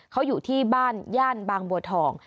เขาอยู่ที่บ้านย่านบางบัวทอง